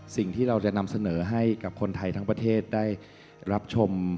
สิ่งที่เราจะนำเสนอให้กับคนไทยทั้งประเทศได้รับชม